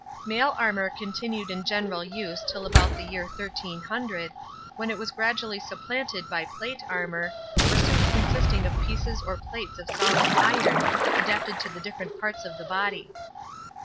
Mail armor continued in general use till about the year 1300, when it was gradually supplanted by plate armor, or suits consisting of pieces or plates of solid iron, adapted to the different parts of the body.